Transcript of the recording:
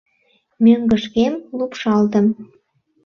Мӧҥгышкем лупшалтым.